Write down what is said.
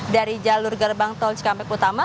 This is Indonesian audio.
dari jalur gerbang tol cikampek utama